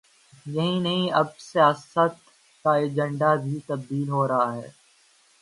یہی نہیں، اب سیاست کا ایجنڈا بھی تبدیل ہو رہا ہے۔